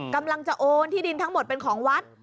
กำลังจะโอนที่ดินทั้งหมดเป็นของวัด